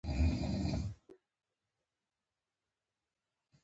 رسوب د افغانستان د ټولنې لپاره یو بنسټيز رول لري.